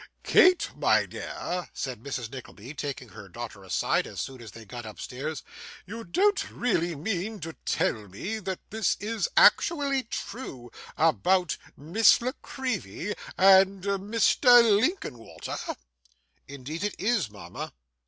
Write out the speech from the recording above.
'Kate, my dear,' said Mrs. Nickleby, taking her daughter aside, as soon as they got upstairs, 'you don't really mean to tell me that this is actually true about Miss La Creevy and Mr. Linkinwater?' 'Indeed it is, mama.